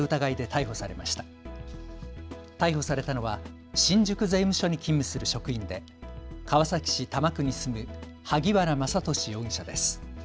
逮捕されたのは新宿税務署に勤務する職員で川崎市多摩区に住む萩原正敏容疑者です。